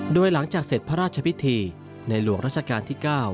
โดยหลังจากเสร็จพระราชพิธีในหลวงราชการที่๙